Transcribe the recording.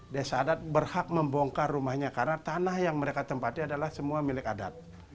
desa adat berhak membongkar rumahnya karena tanah yang mereka tempati adalah semua milik adat